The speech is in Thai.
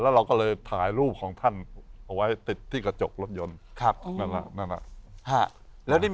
แล้วเราก็เลยถ่ายรูปของท่านเอาไว้ติดที่กระจกรถยนต์